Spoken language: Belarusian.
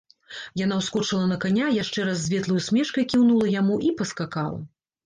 Яна ўскочыла на каня, яшчэ раз з ветлай усмешкай кіўнула яму і паскакала.